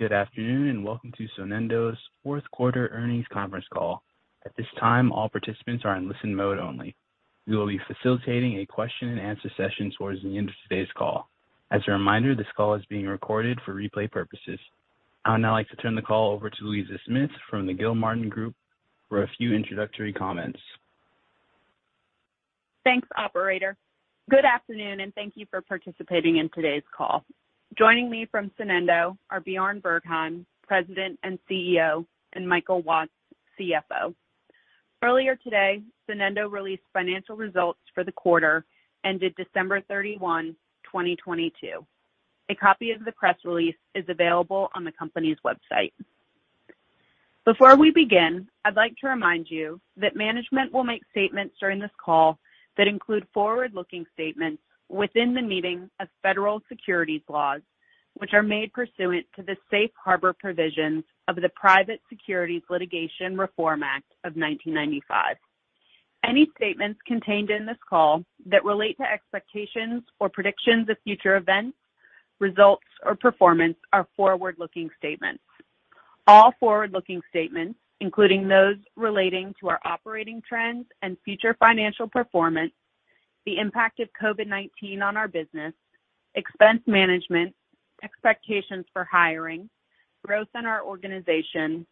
Good afternoon, welcome to Sonendo's Fourth Quarter Earnings Conference Call. At this time, all participants are in listen mode only. We will be facilitating a question-and-answer session towards the end of today's call. As a reminder, this call is being recorded for replay purposes. I'd now like to turn the call over to Louisa Smith from the Gilmartin Group for a few introductory comments. Thanks, operator. Good afternoon, and thank you for participating in today's call. Joining me from Sonendo are Bjarne Bergheim, President and CEO, and Michael Watts, CFO. Earlier today, Sonendo released financial results for the quarter ended December 31, 2022. A copy of the press release is available on the company's website. Before we begin, I'd like to remind you that management will make statements during this call that include forward-looking statements within the meaning of federal securities laws, which are made pursuant to the Safe Harbor provisions of the Private Securities Litigation Reform Act of 1995. Any statements contained in this call that relate to expectations or predictions of future events, results, or performance are forward-looking statements. All forward-looking statements, including those relating to our operating trends and future financial performance, the impact of COVID-19 on our business, expense management, expectations for hiring, growth in our organization,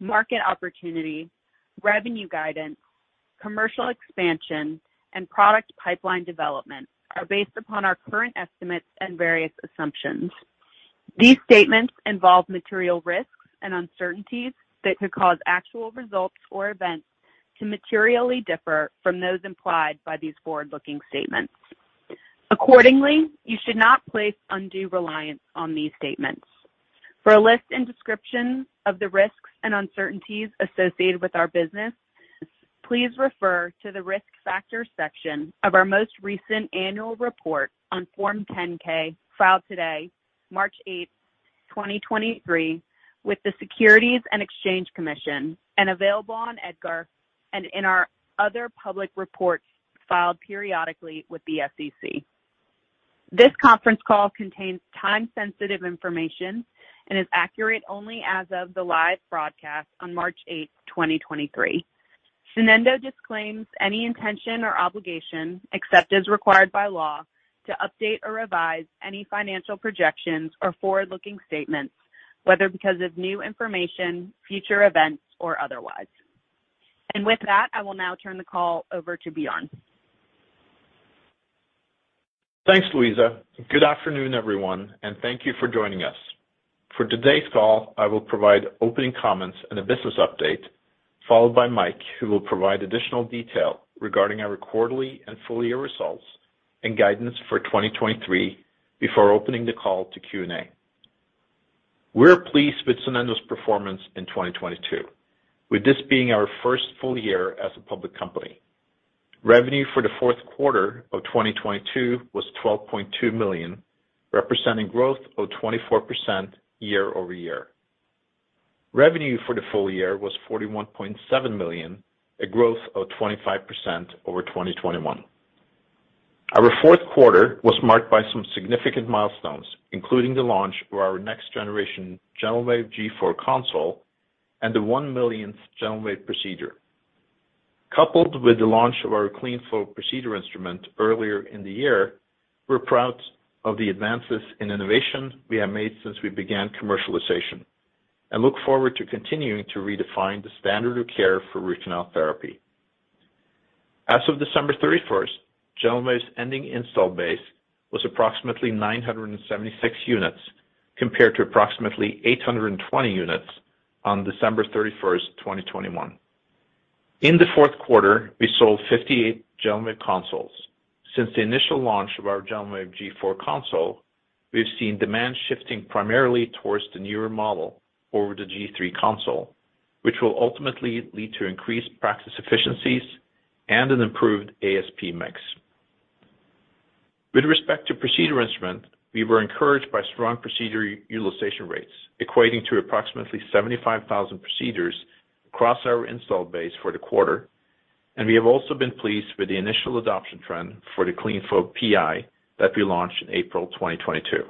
market opportunity, revenue guidance, commercial expansion, and product pipeline development, are based upon our current estimates and various assumptions. These statements involve material risks and uncertainties that could cause actual results or events to materially differ from those implied by these forward-looking statements. Accordingly, you should not place undue reliance on these statements. For a list and description of the risks and uncertainties associated with our business, please refer to the Risk Factors section of our most recent annual report on Form 10-K, filed today, March 8, 2023, with the Securities and Exchange Commission and available on EDGAR and in our other public reports filed periodically with the SEC. This conference call contains time-sensitive information and is accurate only as of the live broadcast on March 8th, 2023. Sonendo disclaims any intention or obligation, except as required by law, to update or revise any financial projections or forward-looking statements, whether because of new information, future events, or otherwise. With that, I will now turn the call over to Bjarne. Thanks, Louisa. Good afternoon, everyone, and thank you for joining us. For today's call, I will provide opening comments and a business update, followed by Mike, who will provide additional detail regarding our quarterly and full-year results and guidance for 2023 before opening the call to Q&A. We're pleased with Sonendo's performance in 2022, with this being our first full year as a public company. Revenue for the fourth quarter of 2022 was $12.2 million, representing growth of 24% year-over-year. Revenue for the full year was $41.7 million, a growth of 25% over 2021. Our fourth quarter was marked by some significant milestones, including the launch of our next-generation GentleWave G4 Console and the 1 millionth GentleWave procedure. Coupled with the launch of our CleanFlow Procedure Instrument earlier in the year, we're proud of the advances in innovation we have made since we began commercialization and look forward to continuing to redefine the standard of care for root canal therapy. As of December 31st, GentleWave's ending install base was approximately 976 units, compared to approximately 820 units on December 31st, 2021. In the fourth quarter, we sold 58 GentleWave consoles. Since the initial launch of our GentleWave G4 Console, we've seen demand shifting primarily towards the newer model over the G3 console, which will ultimately lead to increased practice efficiencies and an improved ASP mix. With respect to Procedure Instrument, we were encouraged by strong procedure utilization rates equating to approximately 75,000 procedures across our install base for the quarter. We have also been pleased with the initial adoption trend for the CleanFlow PI that we launched in April 2022.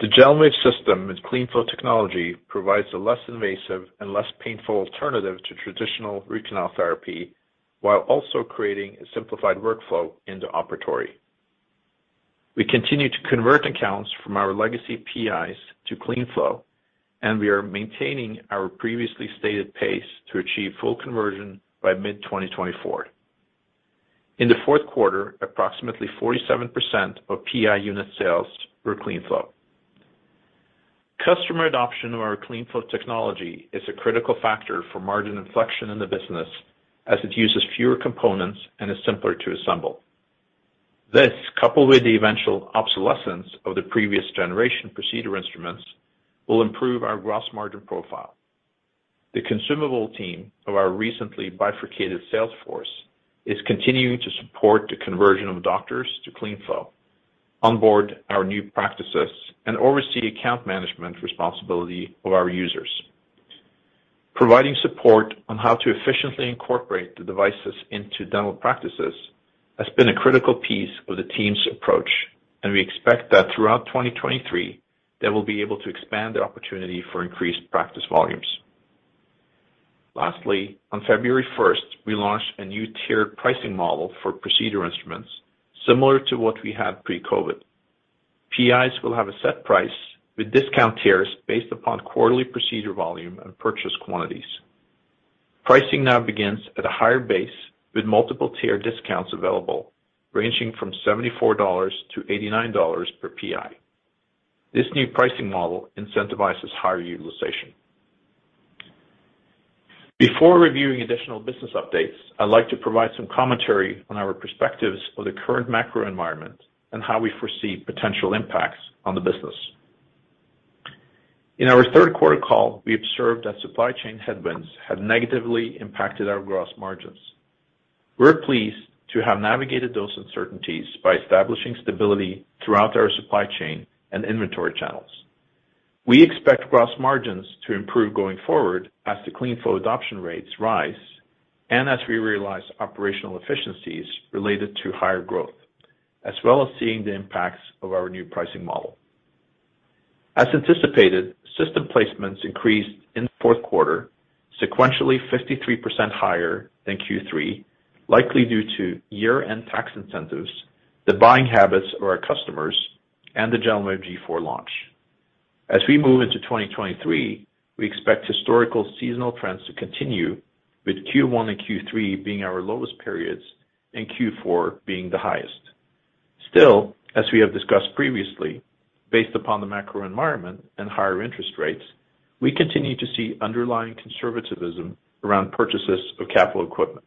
The GentleWave System with CleanFlow technology provides a less invasive and less painful alternative to traditional root canal therapy while also creating a simplified workflow in the operatory. We continue to convert accounts from our legacy PIs to CleanFlow, and we are maintaining our previously stated pace to achieve full conversion by mid-2024. In the fourth quarter, approximately 47% of PI unit sales were CleanFlow. Customer adoption of our CleanFlow technology is a critical factor for margin inflection in the business as it uses fewer components and is simpler to assemble. This, coupled with the eventual obsolescence of the previous generation procedure instruments, will improve our gross margin profile. The consumable team of our recently bifurcated sales force is continuing to support the conversion of doctors to CleanFlow, onboard our new practices, and oversee account management responsibility of our users. Providing support on how to efficiently incorporate the devices into dental practices has been a critical piece of the team's approach, and we expect that throughout 2023 they will be able to expand their opportunity for increased practice volumes. Lastly, on February first, we launched a new tiered pricing model for procedure instruments similar to what we had pre-COVID. PIs will have a set price with discount tiers based upon quarterly procedure volume and purchase quantities. Pricing now begins at a higher base with multiple tier discounts available ranging from $74-$89 per PI. This new pricing model incentivizes higher utilization. Before reviewing additional business updates, I'd like to provide some commentary on our perspectives of the current macro environment and how we foresee potential impacts on the business. In our third quarter call, we observed that supply chain headwinds had negatively impacted our gross margins. We're pleased to have navigated those uncertainties by establishing stability throughout our supply chain and inventory channels. We expect gross margins to improve going forward as the CleanFlow adoption rates rise and as we realize operational efficiencies related to higher growth, as well as seeing the impacts of our new pricing model. As anticipated, system placements increased in the fourth quarter sequentially 53% higher than Q3, likely due to year-end tax incentives, the buying habits of our customers, and the GentleWave G4 launch. As we move into 2023, we expect historical seasonal trends to continue, with Q1 and Q3 being our lowest periods and Q4 being the highest. As we have discussed previously, based upon the macro environment and higher interest rates, we continue to see underlying conservativism around purchases of capital equipment.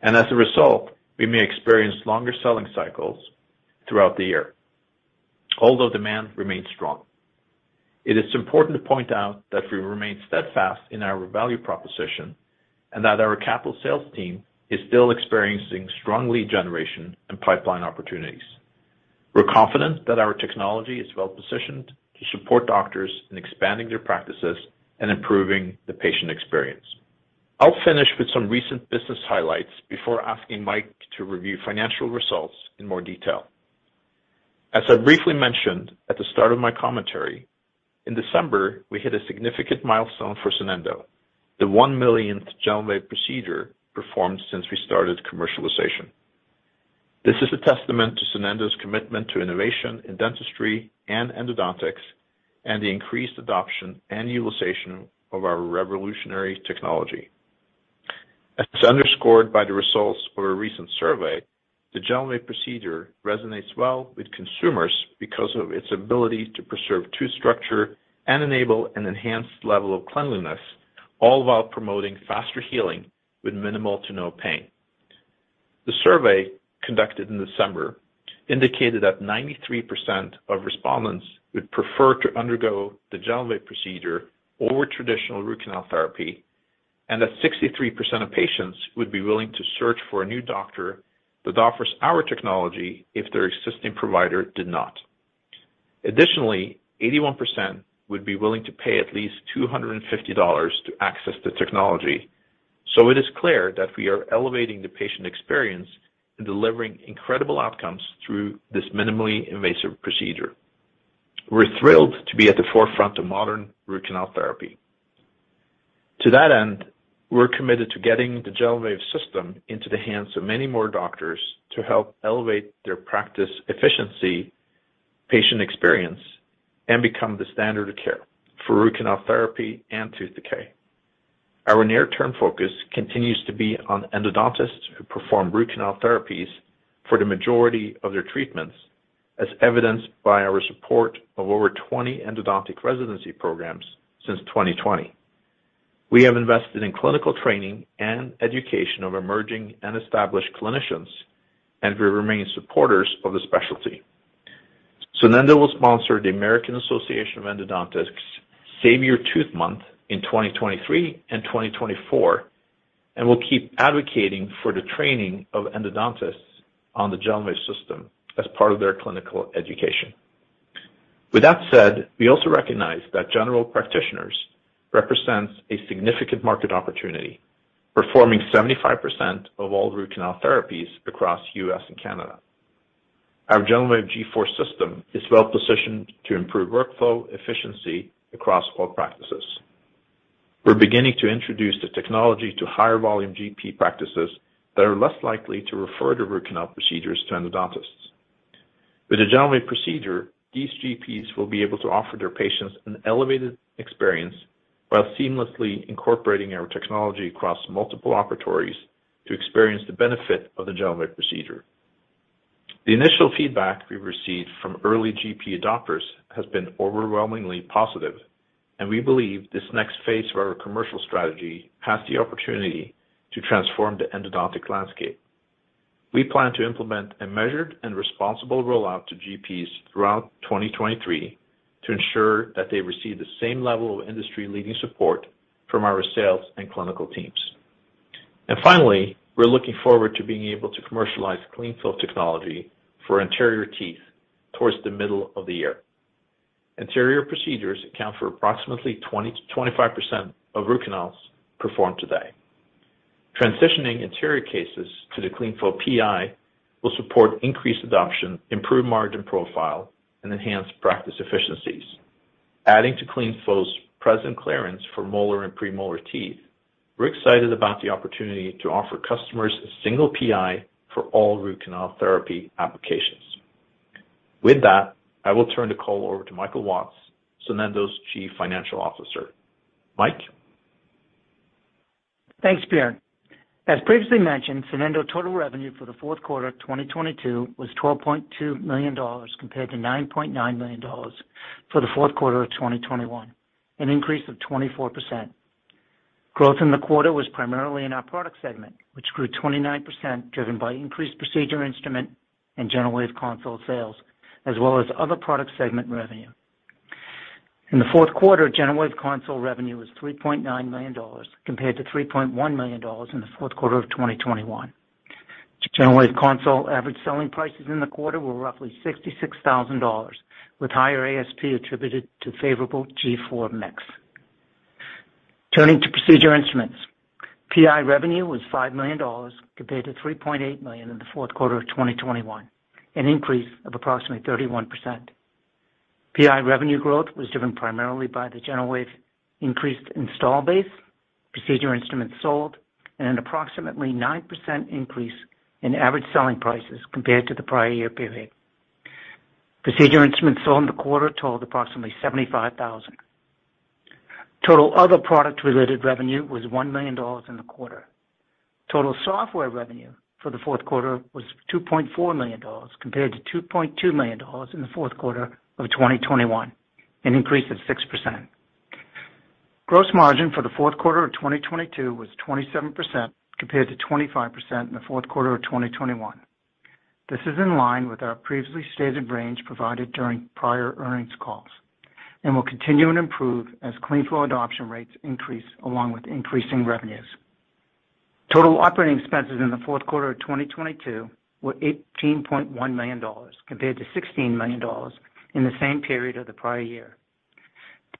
As a result, we may experience longer selling cycles throughout the year, although demand remains strong. It is important to point out that we remain steadfast in our value proposition and that our capital sales team is still experiencing strong lead generation and pipeline opportunities. We're confident that our technology is well-positioned to support doctors in expanding their practices and improving the patient experience. I'll finish with some recent business highlights before asking Mike to review financial results in more detail. As I briefly mentioned at the start of my commentary, in December we hit a significant milestone for Sonendo, the 1 millionth GentleWave procedure performed since we started commercialization. This is a testament to Sonendo's commitment to innovation in dentistry and endodontics and the increased adoption and utilization of our revolutionary technology. As underscored by the results of a recent survey, the GentleWave procedure resonates well with consumers because of its ability to preserve tooth structure and enable an enhanced level of cleanliness, all while promoting faster healing with minimal to no pain. The survey conducted in December indicated that 93% of respondents would prefer to undergo the GentleWave procedure over traditional root canal therapy, and that 63% of patients would be willing to search for a new doctor that offers our technology if their existing provider did not. Additionally, 81% would be willing to pay at least $250 to access the technology. It is clear that we are elevating the patient experience and delivering incredible outcomes through this minimally invasive procedure. We're thrilled to be at the forefront of modern root canal therapy. To that end, we're committed to getting the GentleWave system into the hands of many more doctors to help elevate their practice efficiency, patient experience, and become the standard of care for root canal therapy and tooth decay. Our near-term focus continues to be on endodontists who perform root canal therapies for the majority of their treatments, as evidenced by our support of over 20 endodontic residency programs since 2020. We have invested in clinical training and education of emerging and established clinicians, and we remain supporters of the specialty. Sonendo will sponsor the American Association of Endodontists Save Your Tooth Month in 2023 and 2024 and will keep advocating for the training of endodontists on the GentleWave system as part of their clinical education. With that said, we also recognize that general practitioners represents a significant market opportunity, performing 75% of all root canal therapies across U.S. and Canada. Our GentleWave G4 system is well positioned to improve workflow efficiency across all practices. We're beginning to introduce the technology to higher volume GP practices that are less likely to refer to root canal procedures to endodontists. With the GentleWave procedure, these GPs will be able to offer their patients an elevated experience while seamlessly incorporating our technology across multiple operatories to experience the benefit of the GentleWave procedure. The initial feedback we've received from early GP adopters has been overwhelmingly positive, and we believe this next phase of our commercial strategy has the opportunity to transform the endodontic landscape. We plan to implement a measured and responsible rollout to GPs throughout 2023 to ensure that they receive the same level of industry-leading support from our sales and clinical teams. Finally, we're looking forward to being able to commercialize CleanFlow technology for anterior teeth towards the middle of the year. Anterior procedures account for approximately 20%-25% of root canals performed today. Transitioning anterior cases to the CleanFlow PI will support increased adoption, improved margin profile, and enhanced practice efficiencies. Adding to CleanFlow's present clearance for molar and premolar teeth, we're excited about the opportunity to offer customers a single PI for all root canal therapy applications. With that, I will turn the call over to Michael Watts, Sonendo's Chief Financial Officer. Mike. Thanks, Bjarne. As previously mentioned, Sonendo total revenue for the fourth quarter of 2022 was $12.2 million compared to $9.9 million for the fourth quarter of 2021, an increase of 24%. Growth in the quarter was primarily in our product segment, which grew 29% driven by increased procedure instrument and GentleWave console sales, as well as other product segment revenue. In the fourth quarter, GentleWave console revenue was $3.9 million compared to $3.1 million in the fourth quarter of 2021. GentleWave console average selling prices in the quarter were roughly $66,000, with higher ASP attributed to favorable G4 mix. Turning to procedure instruments. PI revenue was $5 million compared to $3.8 million in the fourth quarter of 2021, an increase of approximately 31%. PI revenue growth was driven primarily by the GentleWave increased install base, procedure instruments sold, and an approximately 9% increase in average selling prices compared to the prior year period. Procedure instruments sold in the quarter totaled approximately 75,000. Total other product-related revenue was $1 million in the quarter. Total software revenue for the fourth quarter was $2.4 million compared to $2.2 million in the fourth quarter of 2021, an increase of 6%. Gross margin for the fourth quarter of 2022 was 27% compared to 25% in the fourth quarter of 2021. This is in line with our previously stated range provided during prior earnings calls and will continue to improve as CleanFlow adoption rates increase along with increasing revenues. Total operating expenses in the fourth quarter of 2022 were $18.1 million compared to $16 million in the same period of the prior year.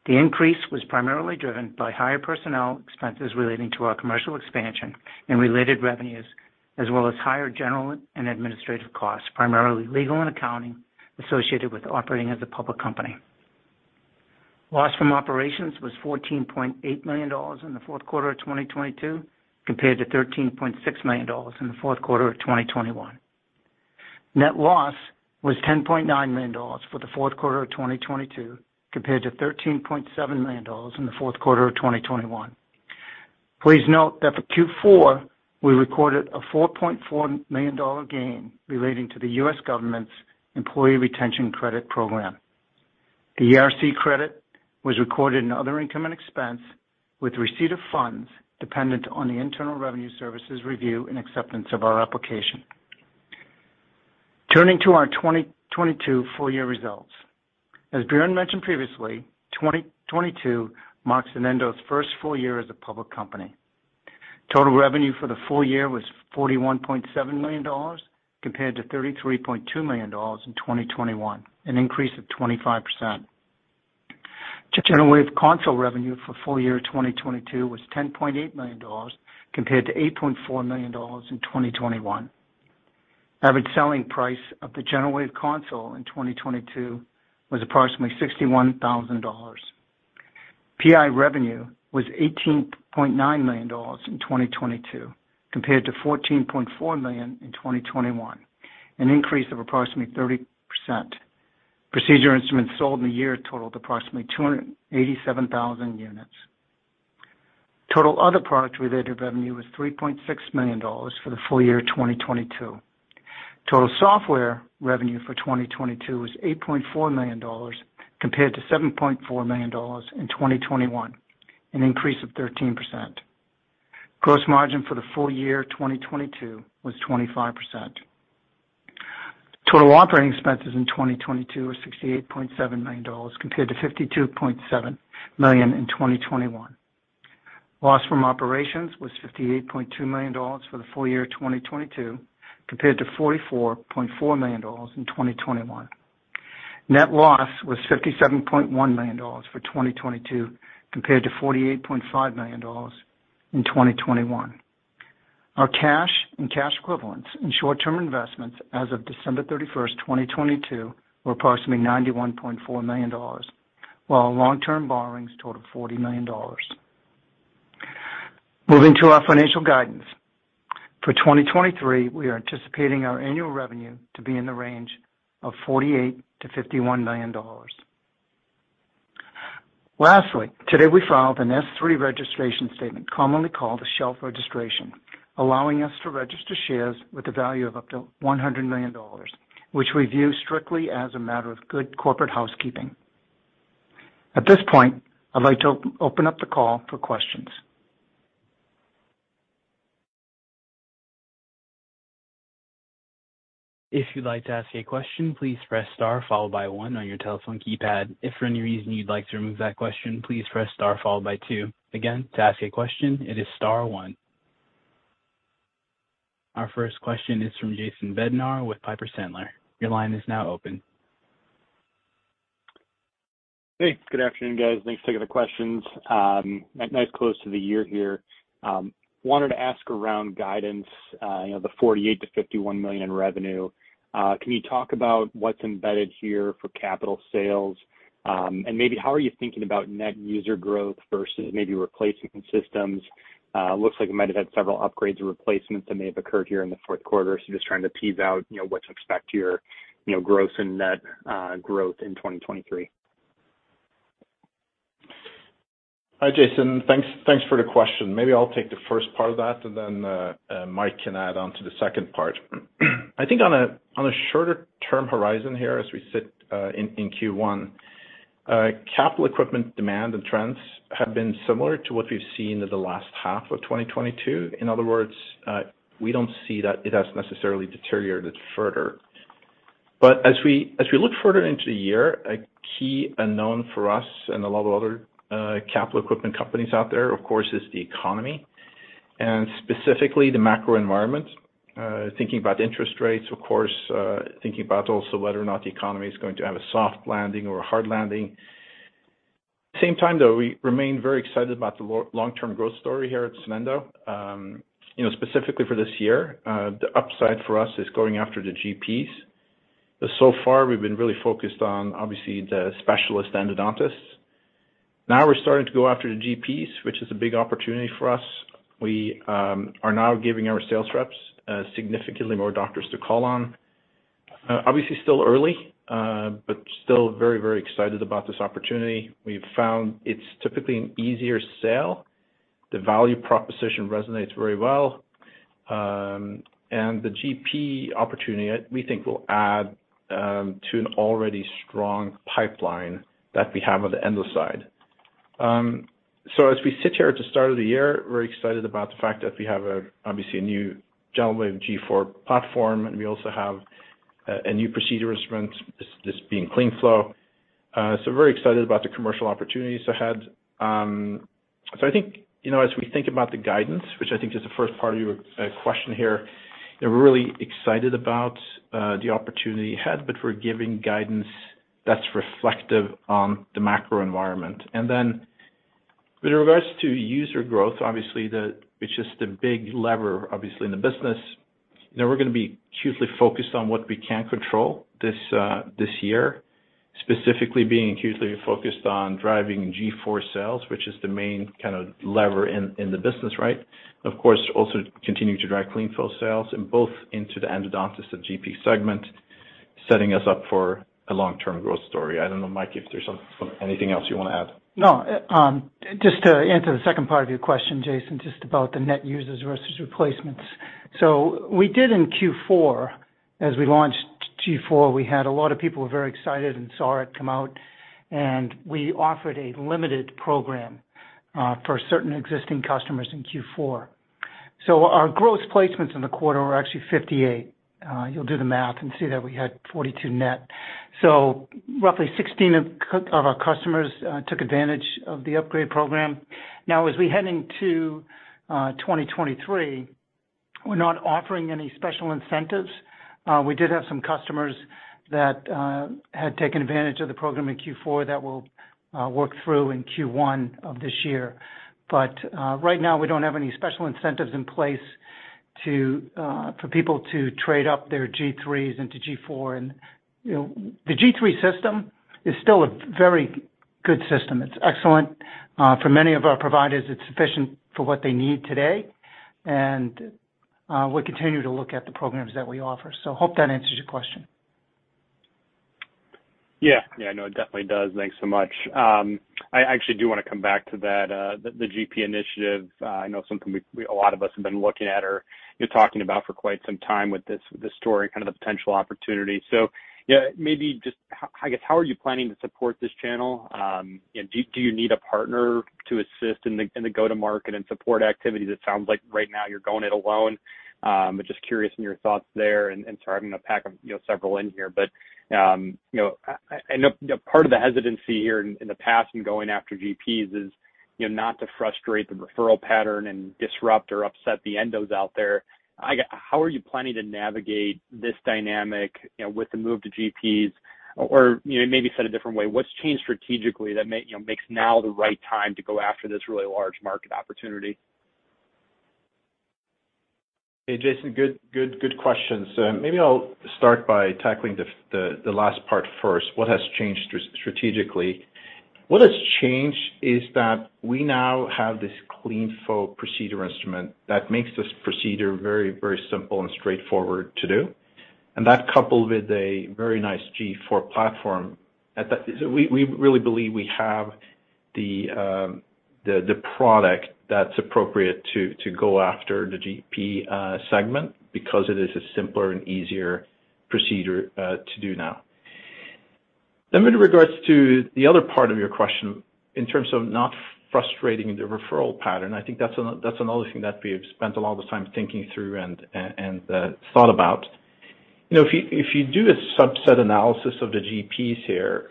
The increase was primarily driven by higher personnel expenses relating to our commercial expansion and related revenues, as well as higher general and administrative costs, primarily legal and accounting associated with operating as a public company. Loss from operations was $14.8 million in the fourth quarter of 2022 compared to $13.6 million in the fourth quarter of 2021. Net loss was $10.9 million for the fourth quarter of 2022 compared to $13.7 million in the fourth quarter of 2021. Please note that for Q4, we recorded a $4.4 million gain relating to the U.S. government's Employee Retention Credit Program. The ERC credit was recorded in other income and expense with receipt of funds dependent on the Internal Revenue Service's review and acceptance of our application. Turning to our 2022 full year results. As Bjarne mentioned previously, 2022 marks Sonendo's first full year as a public company. Total revenue for the full year was $41.7 million compared to $33.2 million in 2021, an increase of 25%. GentleWave console revenue for full year 2022 was $10.8 million compared to $8.4 million in 2021. Average selling price of the GentleWave console in 2022 was approximately $61,000. PI revenue was $18.9 million in 2022 compared to $14.4 million in 2021, an increase of approximately 30%. Procedure instruments sold in the year totaled approximately 287,000 units. Total other product-related revenue was $3.6 million for the full year 2022. Total software revenue for 2022 was $8.4 million compared to $7.4 million in 2021, an increase of 13%. Gross margin for the full year 2022 was 25%. Total operating expenses in 2022 was $68.7 million compared to $52.7 million in 2021. Loss from operations was $58.2 million for the full year 2022 compared to $44.4 million in 2021. Net loss was $57.1 million for 2022 compared to $48.5 million in 2021. Our cash and cash equivalents in short-term investments as of December 31st, 2022, were approximately $91.4 million, while our long-term borrowings totaled $40 million. Moving to our financial guidance. For 2023, we are anticipating our annual revenue to be in the range of $48 million-$51 million. Today, we filed an S-3 registration statement, commonly called a shelf registration, allowing us to register shares with a value of up to $100 million, which we view strictly as a matter of good corporate housekeeping. At this point, I'd like to open up the call for questions. If you'd like to ask a question, please press star, followed by one on your telephone keypad. If for any reason you'd like to remove that question, please press star, followed by two. Again, to ask a question, it is star one. Our first question is from Jason Bednar with Piper Sandler. Your line is now open. Hey, good afternoon, guys. Thanks. Take the questions. Nice close to the year here. Wanted to ask around guidance, you know, the $48 million-$51 million revenue. Can you talk about what's embedded here for capital sales? And maybe how are you thinking about net user growth versus maybe replacement systems? Looks like you might have had several upgrades or replacements that may have occurred here in the fourth quarter. Just trying to tease out, you know, what to expect your, you know, growth and net growth in 2023. Hi, Jason. Thanks for the question. Maybe I'll take the first part of that and then Mike can add on to the second part. I think on a shorter term horizon here as we sit in Q1, capital equipment demand and trends have been similar to what we've seen in the last half of 2022. In other words, we don't see that it has necessarily deteriorated further. As we look further into the year, a key unknown for us and a lot of other capital equipment companies out there, of course, is the economy and specifically the macro environment. Thinking about interest rates, of course, thinking about also whether or not the economy is going to have a soft landing or a hard landing. Same time, though, we remain very excited about the long, long-term growth story here at Sonendo. you know, specifically for this year, the upside for us is going after the GPs. So far we've been really focused on obviously the specialists and the dentists. Now we're starting to go after the GPs, which is a big opportunity for us. We are now giving our sales reps significantly more doctors to call on. obviously still early, but still very, very excited about this opportunity. We've found it's typically an easier sale. The value proposition resonates very well. The GP opportunity we think will add to an already strong pipeline that we have on the endo side. As we sit here at the start of the year, we're excited about the fact that we have a new GentleWave G4 platform, and we also have a new procedure instrument, this being CleanFlow. Very excited about the commercial opportunities ahead. I think, you know, as we think about the guidance, which I think is the first part of your question here, we're really excited about the opportunity ahead, but we're giving guidance that's reflective on the macro environment. With regards to user growth, obviously, which is the big lever obviously in the business, you know, we're gonna be hugely focused on what we can control this year, specifically being hugely focused on driving G4 sales, which is the main kind of lever in the business, right? Also continuing to drive CleanFlow sales and both into the endodontist and GP segment, setting us up for a long-term growth story. I don't know, Mike, if there's anything else you want to add? No. Just to answer the second part of your question, Jason, just about the net users versus replacements. We did in Q4, as we launched G4, we had a lot of people were very excited and saw it come out, and we offered a limited program for certain existing customers in Q4. Our gross placements in the quarter were actually 58. You'll do the math and see that we had 42 net. Roughly 16 of our customers took advantage of the upgrade program. As we head into 2023, we're not offering any special incentives. We did have some customers that had taken advantage of the program in Q4 that will work through in Q1 of this year. Right now we don't have any special incentives in place to for people to trade up their G3s into G4. You know, the G3 system is still a very good system. It's excellent. For many of our providers, it's sufficient for what they need today. We'll continue to look at the programs that we offer. Hope that answers your question. Yeah. Yeah, no, it definitely does. Thanks so much. I actually do wanna come back to that the GP initiative. I know something we a lot of us have been looking at or you're talking about for quite some time with this story, kind of the potential opportunity. Yeah, maybe just how, I guess, how are you planning to support this channel? Do you need a partner to assist in the, in the go-to-market and support activities? It sounds like right now you're going it alone. Just curious in your thoughts there and sorry, I'm gonna pack, you know, several in here. You know, part of the hesitancy here in the past in going after GPs is, you know, not to frustrate the referral pattern and disrupt or upset the Endos out there. How are you planning to navigate this dynamic, you know, with the move to GPs? Or, you know, maybe said a different way, what's changed strategically that, you know, makes now the right time to go after this really large market opportunity? Hey, Jason, good question. Maybe I'll start by tackling the last part first. What has changed strategically? What has changed is that we now have this CleanFlow procedure instrument that makes this procedure very simple and straightforward to do, and that coupled with a very nice G4 platform. We really believe we have the product that's appropriate to go after the GP segment because it is a simpler and easier procedure to do now. With regards to the other part of your question, in terms of not frustrating the referral pattern, I think that's another thing that we've spent a lot of time thinking through and thought about. You know, if you do a subset analysis of the GPs here,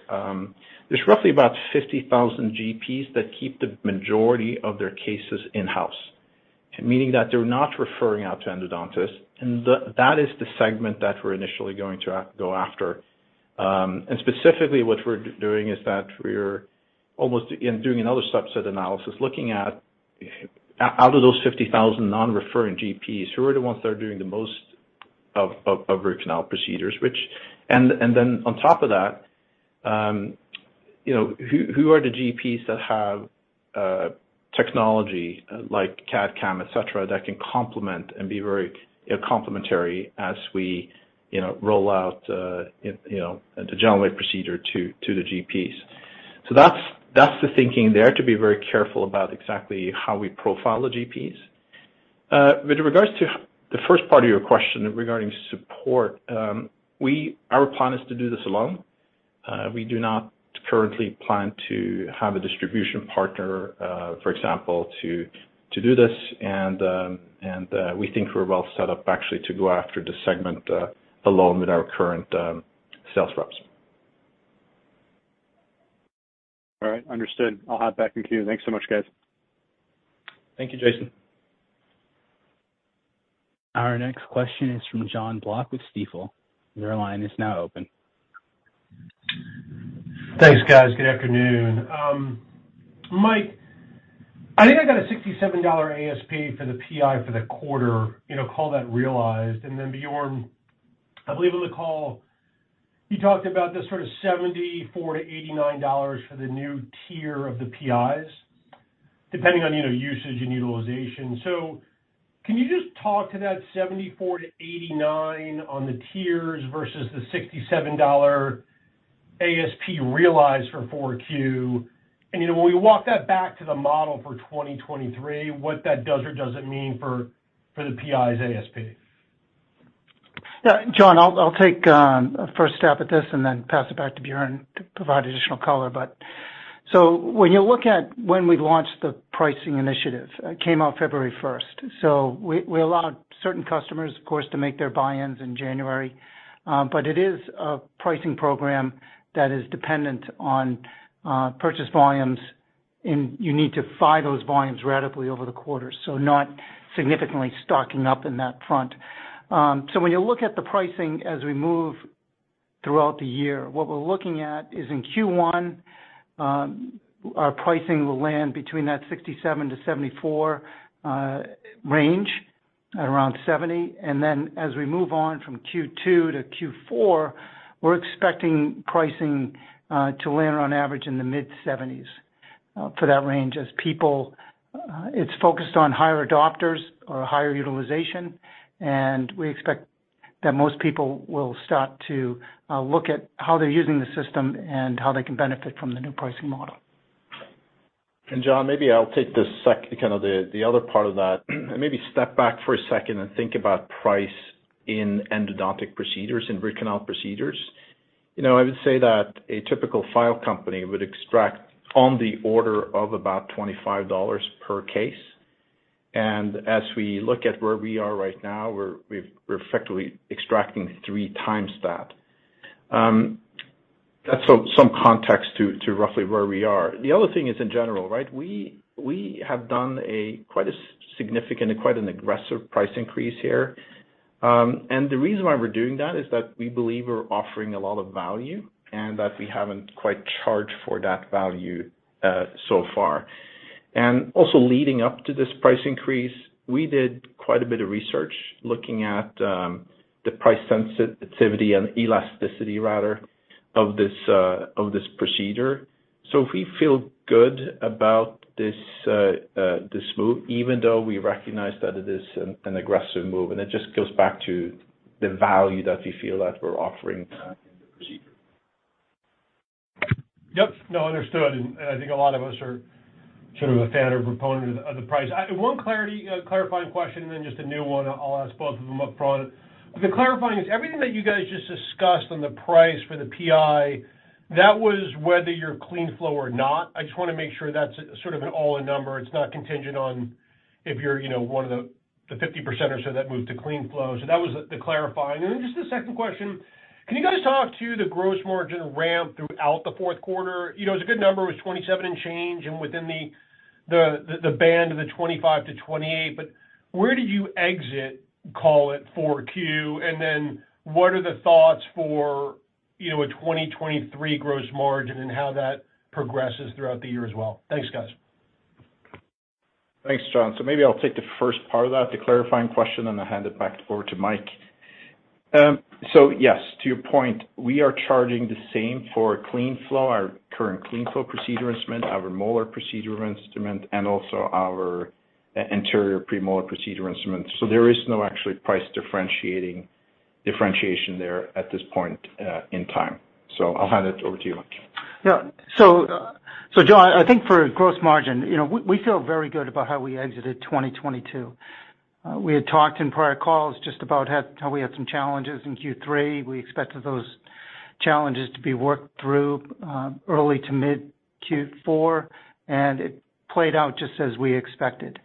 there's roughly about 50,000 GPs that keep the majority of their cases in-house, meaning that they're not referring out to endodontists. That is the segment that we're initially going to go after. Specifically, what we're doing is that we're almost, in doing another subset analysis, looking at, out of those 50,000 non-referring GPs, who are the ones that are doing the most of root canal procedures, which. And then on top of that, you know, who are the GPs that have technology like CAD/CAM, et cetera, that can complement and be very, you know, complementary as we, you know, roll out the GentleWave procedure to the GPs. That's the thinking there, to be very careful about exactly how we profile the GPs. With regards to the first part of your question regarding support, our plan is to do this alone. We do not currently plan to have a distribution partner, for example, to do this. We think we're well set up actually to go after the segment alone with our current sales reps. All right. Understood. I'll hop back with you. Thanks so much, guys. Thank you, Jason. Our next question is from Jonathan Block with Stifel. Your line is now open. Thanks, guys. Good afternoon. Mike, I think I got a $67 ASP for the PI for the quarter, you know, call that realized. Bjarne, I believe on the call you talked about this sort of $74-$89 for the new tier of the PIs, depending on, you know, usage and utilization. Can you just talk to that $74-$89 on the tiers versus the $67 ASP realized for four Q? You know, will you walk that back to the model for 2023, what that does or doesn't mean for the PIs ASP? Yeah. John, I'll take a first stab at this and then pass it back to Bjarne to provide additional color. When you look at when we launched the pricing initiative, it came out February 1st. We allowed certain customers, of course, to make their buy-ins in January. But it is a pricing program that is dependent on purchase volumes, and you need to fie those volumes radically over the quarter, so not significantly stocking up in that front. When you look at the pricing as we move throughout the year, what we're looking at is in Q1, our pricing will land between that $67-$74 range at around $70. Then as we move on from Q2 to Q4, we're expecting pricing to land on average in the mid-$70s for that range as people... It's focused on higher adopters or higher utilization, and we expect that most people will start to look at how they're using the system and how they can benefit from the new pricing model. John, maybe I'll take you know, the other part of that, and maybe step back for a second and think about price in endodontic procedures, in root canal procedures. You know, I would say that a typical file company would extract on the order of about $25 per case. As we look at where we are right now, we're effectively extracting 3x that. That's some context to roughly where we are. The other thing is in general, right? We have done a quite a significant and quite an aggressive price increase here. The reason why we're doing that is that we believe we're offering a lot of value and that we haven't quite charged for that value so far. Also leading up to this price increase, we did quite a bit of research looking at the price sensitivity and elasticity rather, of this procedure. We feel good about this move, even though we recognize that it is an aggressive move, and it just goes back to the value that we feel that we're offering in the procedure. Yep. No, understood. I think a lot of us are sort of a fan or proponent of the price. One clarity, clarifying question and then just a new one. I'll ask both of them up front. The clarifying is everything that you guys just discussed on the price for the PI, that was whether you're CleanFlow or not. I just wanna make sure that's sort of an all-in number. It's not contingent on if you're, you know, one of the 50% or so that moved to CleanFlow. That was the clarifying. Just the second question, can you guys talk to the gross margin ramp throughout the fourth quarter? You know, it's a good number. It was 27 and change and within the band of the 25%-28%. Where do you exit, call it four Q, and then what are the thoughts for, you know, a 2023 gross margin and how that progresses throughout the year as well? Thanks, guys. Thanks, John. Maybe I'll take the first part of that, the clarifying question, and I'll hand it back over to Mike. Yes, to your point, we are charging the same for CleanFlow, our current CleanFlow procedure instrument, our molar procedure instrument, and also our Anterior/Premolar Procedure Instrument. There is no actually price differentiation there at this point in time. I'll hand it over to you, Mike. John, I think for gross margin, you know, we feel very good about how we exited 2022. We had talked in prior calls just about how we had some challenges in Q3. We expected those challenges to be worked through early to mid Q4. It played out just as we expected.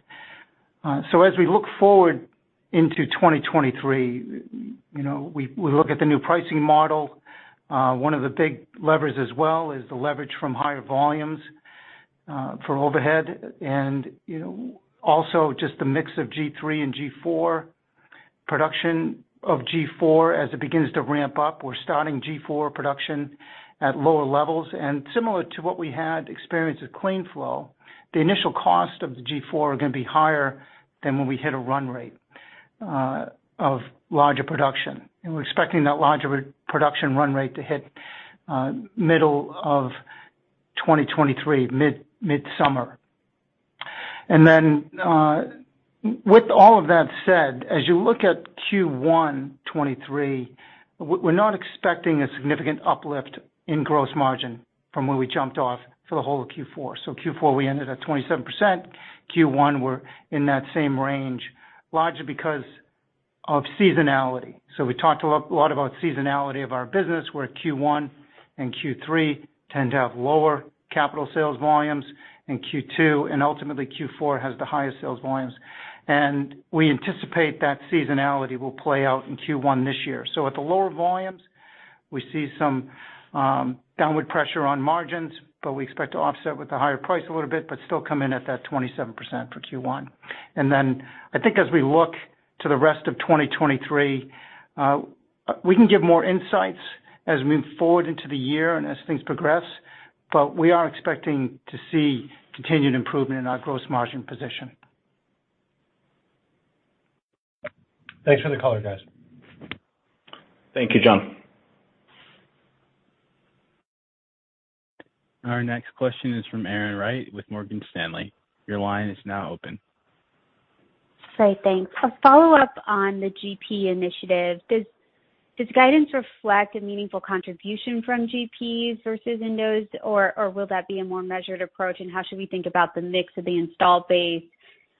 As we look forward into 2023, you know, we look at the new pricing model. One of the big levers as well is the leverage from higher volumes for overhead and, you know, also just the mix of G3 and G4. Production of G4 as it begins to ramp up, we're starting G4 production at lower levels. Similar to what we had experienced with CleanFlow, the initial cost of the G4 are gonna be higher than when we hit a run rate of larger production. We're expecting that larger production run rate to hit middle of 2023, midsummer. With all of that said, as you look at Q1 2023, we're not expecting a significant uplift in gross margin from where we jumped off for the whole of Q4. Q4, we ended at 27%. Q1, we're in that same range, largely because of seasonality. We talked a lot about seasonality of our business, where Q1 and Q3 tend to have lower capital sales volumes, and Q2 and ultimately Q4 has the highest sales volumes. We anticipate that seasonality will play out in Q1 this year. At the lower volumes, we see some downward pressure on margins, but we expect to offset with the higher price a little bit, but still come in at that 27% for Q1. I think as we look to the rest of 2023, we can give more insights as we move forward into the year and as things progress, but we are expecting to see continued improvement in our gross margin position. Thanks for the color, guys. Thank you, John. Our next question is from Erin Wright with Morgan Stanley. Your line is now open. Sorry, thanks. A follow-up on the GP initiative. Does guidance reflect a meaningful contribution from GPs versus endos, or will that be a more measured approach? How should we think about the mix of the installed base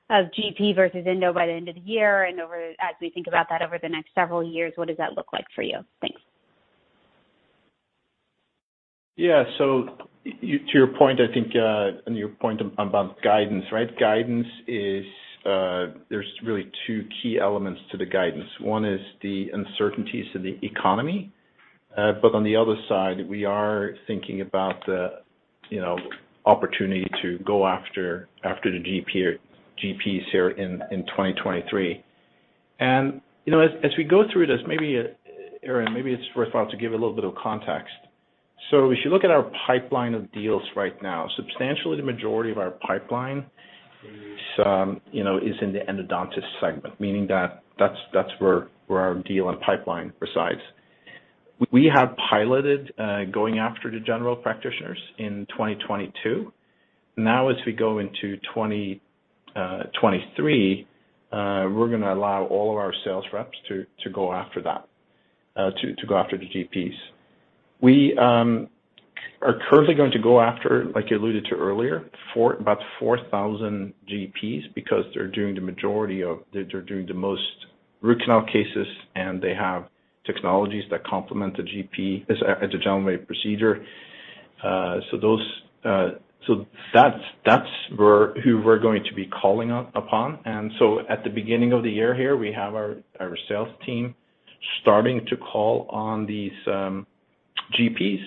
of GP versus endo by the end of the year as we think about that over the next several years, what does that look like for you? Thanks. Yeah. To your point, I think, and your point about guidance, right? Guidance is, there's really two key elements to the guidance. One is the uncertainties in the economy. On the other side, we are thinking about the, you know, opportunity to go after the GP or GPs here in 2023. You know, as we go through this, maybe, Erin, maybe it's worthwhile to give a little bit of context. If you look at our pipeline of deals right now, substantially the majority of our pipeline is, you know, is in the endodontist segment, meaning that that's where our deal and pipeline resides. We have piloted going after the general practitioners in 2022. Now as we go into 2023, we're gonna allow all of our sales reps to go after that, to go after the GPs. We are currently going to go after, like you alluded to earlier, about 4,000 GPs because they're doing the most root canal cases, and they have technologies that complement the GP as a general procedure. That's who we're going to be calling upon. At the beginning of the year here, we have our sales team starting to call on these GPs.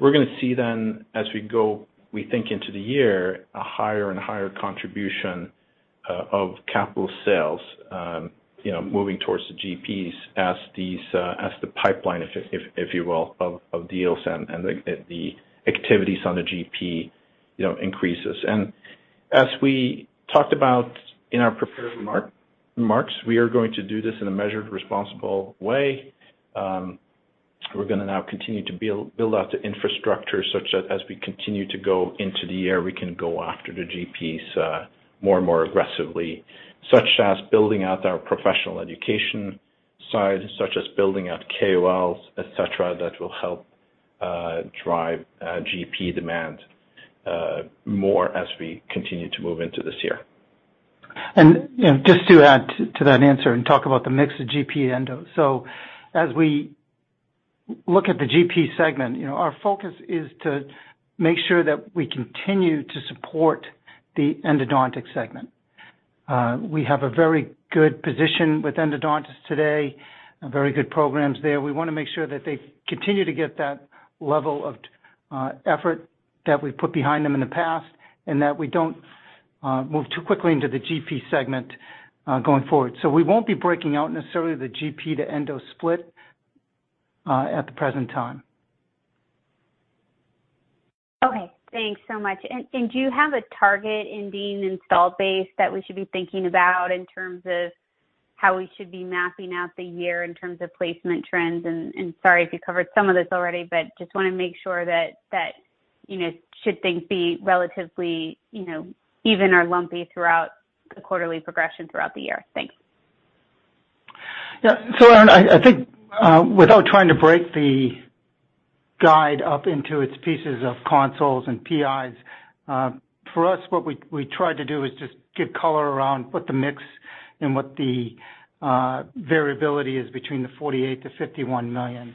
We're gonna see then as we go, we think into the year, a higher and higher contribution of capital sales, you know, moving towards the GPs as these as the pipeline, if you will, of deals and the activities on the GP, you know, increases. As we talked about in our prepared remarks, we are going to do this in a measured, responsible way. We're gonna now continue to build out the infrastructure such that as we continue to go into the year, we can go after the GPs more and more aggressively, such as building out our professional education side, such as building out KOLs, et cetera, that will help drive GP demand more as we continue to move into this year. You know, just to add to that answer and talk about the mix of GP endo. As we look at the GP segment, you know, our focus is to make sure that we continue to support the endodontic segment. We have a very good position with endodontists today and very good programs there. We wanna make sure that they continue to get that level of effort that we put behind them in the past and that we don't move too quickly into the GP segment going forward. We won't be breaking out necessarily the GP to endo split at the present time. Okay, thanks so much. Do you have a target in the installed base that we should be thinking about in terms of how we should be mapping out the year in terms of placement trends? Sorry if you covered some of this already, but just wanna make sure that, you know, should things be relatively, you know, even or lumpy throughout the quarterly progression throughout the year? Thanks. Erin, I think, without trying to break the guide up into its pieces of consoles and PIs, for us, what we tried to do is just give color around what the mix and what the variability is between the $48 million-$51 million,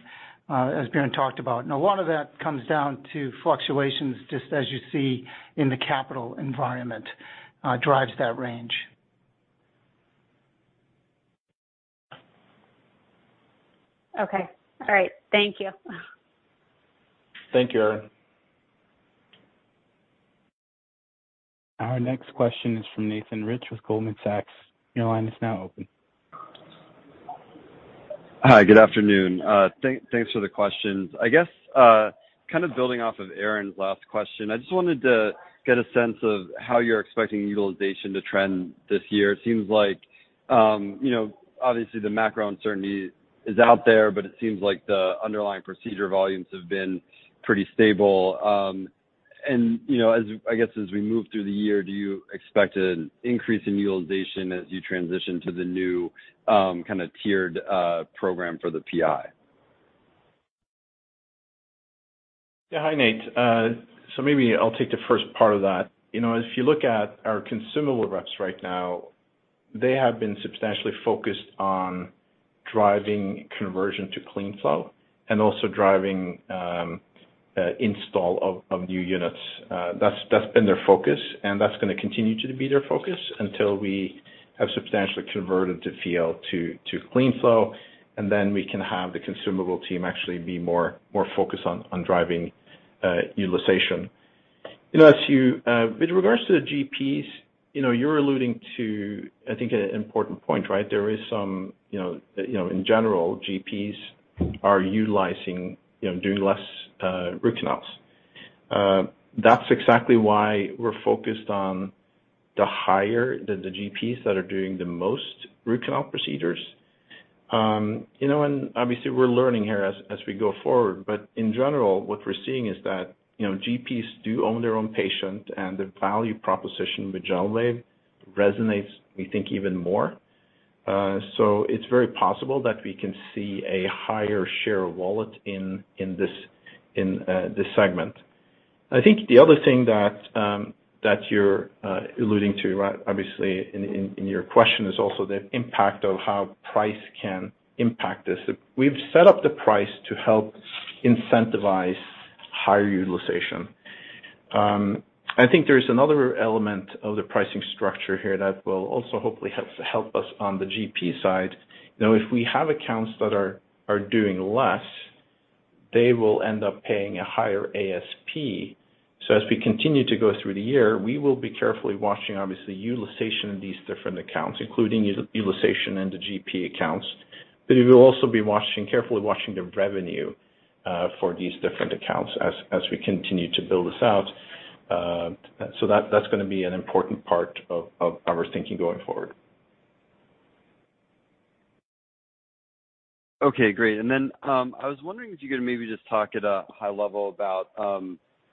as Bjarne talked about. A lot of that comes down to fluctuations, just as you see in the capital environment, drives that range. Okay. All right. Thank you. Thank you, Erin. Our next question is from Nathan Rich with Goldman Sachs. Your line is now open. Hi, good afternoon. Thanks for the questions. I guess, kind of building off of Erin's last question, I just wanted to get a sense of how you're expecting utilization to trend this year. It seems like, you know, obviously the macro uncertainty is out there, but it seems like the underlying procedure volumes have been pretty stable. You know, as I guess, as we move through the year, do you expect an increase in utilization as you transition to the new, kind of tiered, program for the PI? Yeah. Hi, Nate. Maybe I'll take the first part of that. You know, if you look at our consumable reps right now, they have been substantially focused on driving conversion to CleanFlow and also driving install of new units. That's been their focus, and that's gonna continue to be their focus until we have substantially converted the field to CleanFlow, and then we can have the consumable team actually be more focused on driving utilization. You know, with regards to the GPs, you know, you're alluding to, I think, an important point, right? There is some, you know, in general, GPs are utilizing, you know, doing less root canals. That's exactly why we're focused on the higher than the GPs that are doing the most root canal procedures. You know, obviously we're learning here as we go forward. In general, what we're seeing is that, you know, GPs do own their own patient, and the value proposition with GentleWave resonates, we think, even more. It's very possible that we can see a higher share of wallet in this segment. I think the other thing that you're alluding to, right, obviously in your question is also the impact of how price can impact this. We've set up the price to help incentivize higher utilization. I think there's another element of the pricing structure here that will also hopefully help us on the GP side. You know, if we have accounts that are doing less, they will end up paying a higher ASP. As we continue to go through the year, we will be carefully watching obviously utilization in these different accounts, including us-utilization in the GP accounts. We will also be watching, carefully watching the revenue for these different accounts as we continue to build this out. That's gonna be an important part of our thinking going forward. Okay, great. I was wondering if you could maybe just talk at a high level about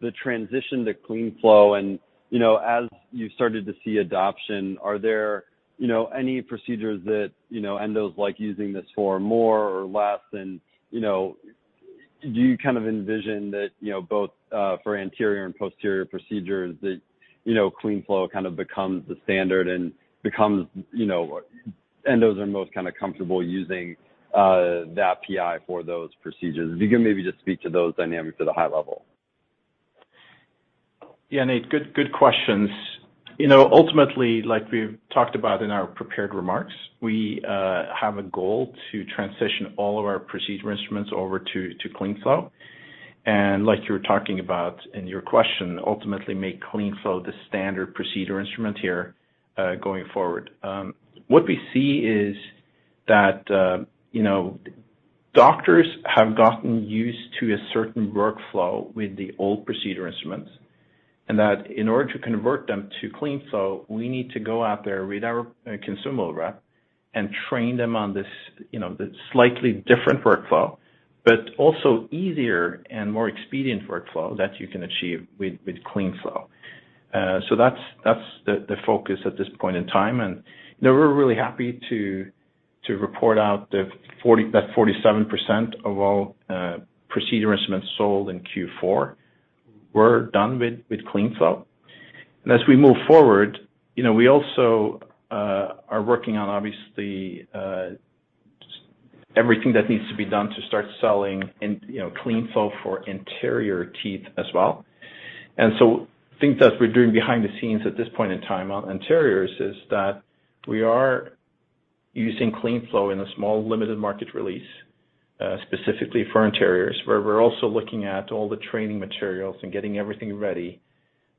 the transition to CleanFlow and, you know, as you started to see adoption, are there, you know, any procedures that, you know, endos like using this for more or less? you know, do you kind of envision that, you know, both for anterior and posterior procedures that, you know, CleanFlow kind of becomes the standard and becomes, you know, endos are most kinda comfortable using that PI for those procedures? If you can maybe just speak to those dynamics at a high level. Yeah, Nate, good questions. You know, ultimately, like we've talked about in our prepared remarks, we have a goal to transition all of our procedure instruments over to CleanFlow. Like you were talking about in your question, ultimately make CleanFlow the standard procedure instrument here, going forward. What we see is that, you know, doctors have gotten used to a certain workflow with the old procedure instruments, and that in order to convert them to CleanFlow, we need to go out there with our consumable rep and train them on this, you know, this slightly different workflow, but also easier and more expedient workflow that you can achieve with CleanFlow. That's the focus at this point in time. You know, we're really happy to report out that 47% of all procedure instruments sold in Q4 were done with CleanFlow. As we move forward, you know, we also are working on obviously everything that needs to be done to start selling in, you know, CleanFlow for anterior teeth as well. Things that we're doing behind the scenes at this point in time on anteriors is that we are using CleanFlow in a small limited market release specifically for anteriors, where we're also looking at all the training materials and getting everything ready,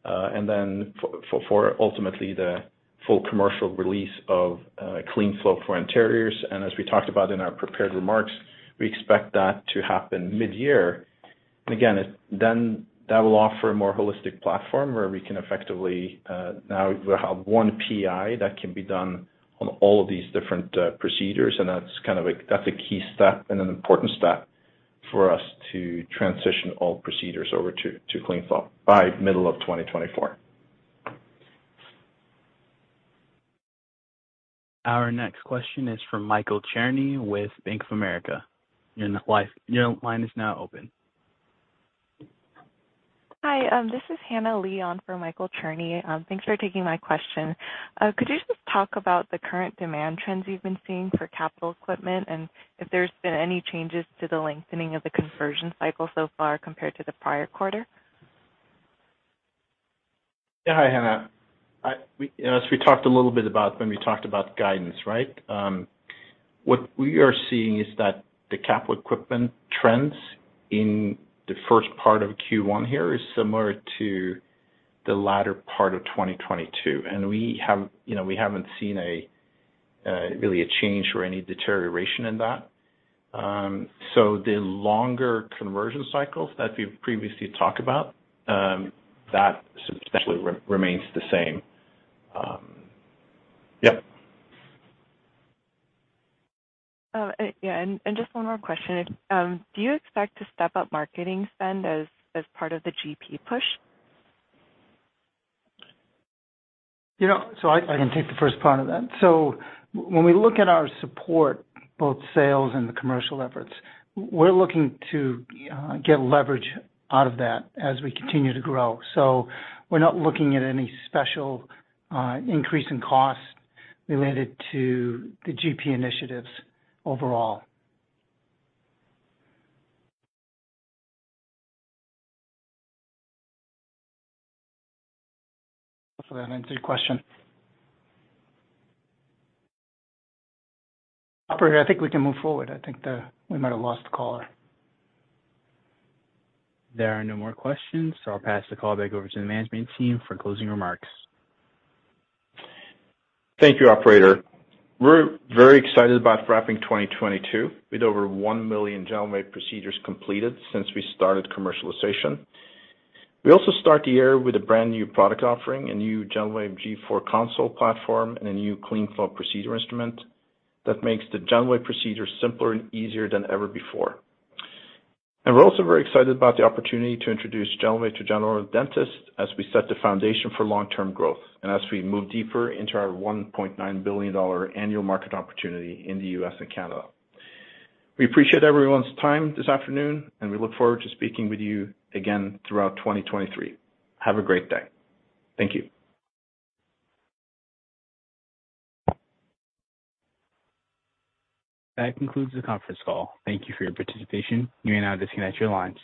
and then for ultimately the full commercial release of CleanFlow for anteriors. As we talked about in our prepared remarks, we expect that to happen mid-year. Again, it then that will offer a more holistic platform where we can effectively, now we'll have 1 PI that can be done on all of these different procedures, and that's kind of a, that's a key step and an important step for us to transition all procedures over to CleanFlow by middle of 2024. Our next question is from Michael Cherny with Bank of America. Your line is now open. Hi, this is Hanna Lee for Michael Cherny. Thanks for taking my question. Could you just talk about the current demand trends you've been seeing for capital equipment and if there's been any changes to the lengthening of the conversion cycle so far compared to the prior quarter? Hi, Hanna. As we talked a little bit about when we talked about guidance, right? What we are seeing is that the capital equipment trends in the first part of Q1 here is similar to the latter part of 2022, and we have, you know, we haven't seen a really a change or any deterioration in that. The longer conversion cycles that we've previously talked about, that substantially remains the same. Yep. just one more question. Do you expect to step up marketing spend as part of the GP push? You know, I can take the first part of that. When we look at our support, both sales and the commercial efforts, we're looking to get leverage out of that as we continue to grow. We're not looking at any special increase in costs related to the GP initiatives overall. Hopefully that answered your question. Operator, I think we can move forward. I think we might have lost the caller. There are no more questions, so I'll pass the call back over to the management team for closing remarks. Thank you, operator. We're very excited about wrapping 2022 with over 1 million GentleWave procedures completed since we started commercialization. We also start the year with a brand-new product offering, a new GentleWave G4 Console platform and a new CleanFlow Procedure Instrument that makes the GentleWave procedure simpler and easier than ever before. We're also very excited about the opportunity to introduce GentleWave to general dentists as we set the foundation for long-term growth and as we move deeper into our $1.9 billion annual market opportunity in the U.S. and Canada. We appreciate everyone's time this afternoon, and we look forward to speaking with you again throughout 2023. Have a great day. Thank you. That concludes the conference call. Thank you for your participation. You may now disconnect your lines.